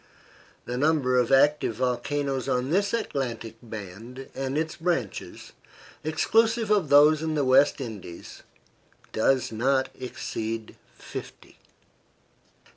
The number of active volcanoes on this Atlantic band and its branches, exclusive of those in the West Indies, does not exceed fifty.